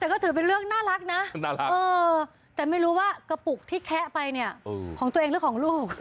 แต่ก็ถือเป็นเรื่องน่ารักนะน่ารักแต่ไม่รู้ว่ากระปุกที่แคะไปเนี่ยของตัวเองหรือของลูก